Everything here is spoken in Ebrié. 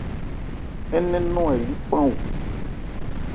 Ńnɛn nɔn ɛ lí pán o.